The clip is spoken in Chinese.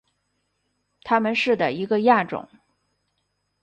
它们是的一个亚种。